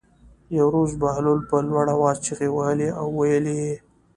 یوه ورځ بهلول په لوړ آواز چغې وهلې او ویلې یې.